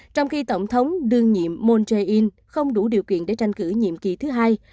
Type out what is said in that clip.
trong khi tổng thống đương nhiệm moon jae in không đủ điều kiện để tranh cử nhiệm kỳ thứ hai